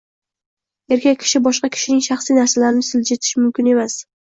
Erkak kishi boshqa kishining shaxsiy narsalarini siljitish mumkin emas